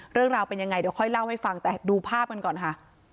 เรื่องราวเป็นยังไงเดี๋ยวค่อยเล่าให้ฟังแต่ดูภาพกันก่อนค่ะ